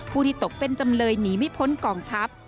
ที่ตกเป็นจำเลยหนีไม่พ้นกองทัพ